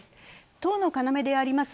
党の要であります